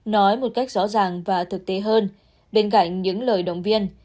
nói một cách rõ ràng và thực tế hơn bên cạnh những lời động viên